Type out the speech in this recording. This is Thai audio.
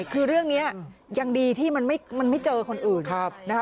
คือเรื่องนี้ยังดีที่มันไม่เจอคนอื่นนะคะ